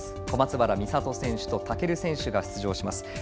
小松原美里選手と尊選手が出場します。